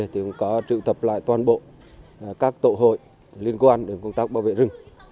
thì cũng có triệu tập lại toàn bộ các tổ hội liên quan đến công tác bảo vệ rừng